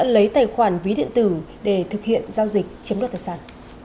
lấy tài khoản ví điện tử để thực hiện giao dịch chiếm đoạt tài sản